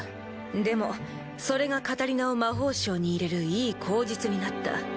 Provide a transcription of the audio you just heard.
でもそれがカタリナを魔法省に入れるいい口実になった。